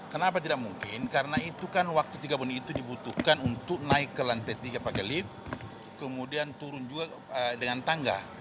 kenapa tidak mungkin karena itu kan waktu tiga menit itu dibutuhkan untuk naik ke lantai tiga pakai lift kemudian turun juga dengan tangga